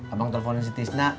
abang teleponin si tisna